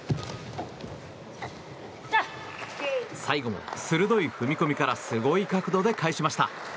最後は鋭い踏み込みからすごい角度で返しました。